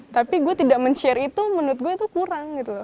tapi gue tidak men share itu menurut gue itu kurang gitu